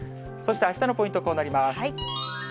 そしてあしたのポイント、こうなります。